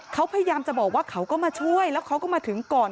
เขาพยายามจะบอกว่าเขาก็มาช่วยแล้วเขาก็มาถึงก่อน